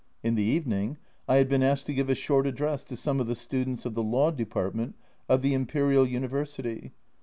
In the evening I had been asked to give a short address to some of the students of the Law Department of the Imperial University.